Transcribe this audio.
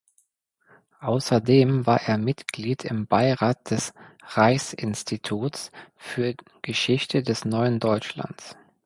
Außerdem war er Mitglied im Beirat des Reichsinstituts für Geschichte des neuen Deutschlands.